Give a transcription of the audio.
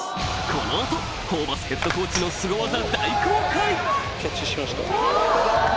この後ホーバスヘッドコーチのすご技大公開！